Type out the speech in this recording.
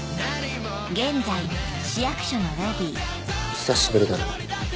久しぶりだな。